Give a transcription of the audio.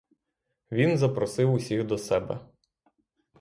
Він запросив усіх до себе.